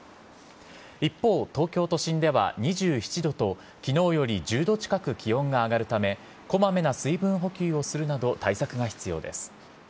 一方、東京都心では２７度と、きのうより１０度近く気温が上がるため、こまめな水分補給をするなど、対策が必要です。